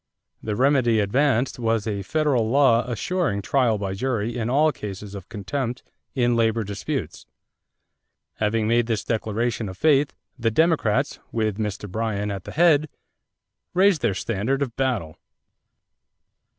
The remedy advanced was a federal law assuring trial by jury in all cases of contempt in labor disputes. Having made this declaration of faith, the Democrats, with Mr. Bryan at the head, raised their standard of battle.